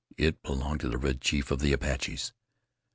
It belonged to the Red Chief of the Apaches.